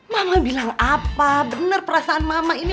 mama bilang apa benar perasaan mama ini